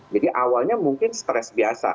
jadi awalnya mungkin stres biasa